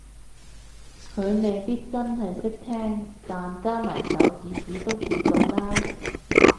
佢未必真係識聽但加埋手指指都估到啦